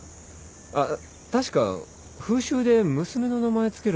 あっ確か風習で娘の名前付けるんだったよな？